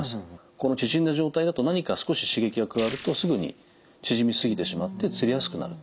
この縮んだ状態だと何か少し刺激が加わるとすぐに縮みすぎてしまってつりやすくなると。